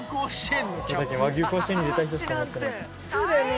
そうだよね。